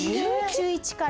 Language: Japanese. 中１から。